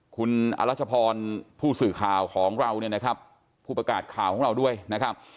คุณอรัชพรผู้สื่อข่าวของเราเนี่ยนะครับผู้ประกาศข่าวของเราด้วยนะครับ